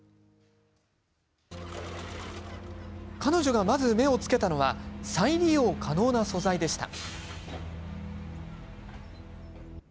彼女が、まず目を付けたのは再利用可能な素材でした。